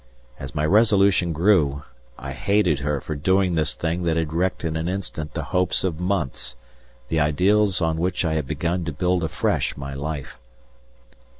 As my resolution grew, I hated her for doing this thing that had wrecked in an instant the hopes of months, the ideals on which I had begun to build afresh my life.